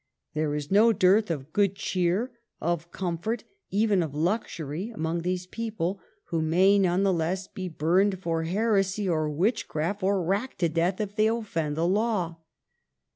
There is no dearth of good cheer, of comfort, even of luxury among these people, who may, none the less, be burned for heresy or witchcraft, or racked to death if they offend the law.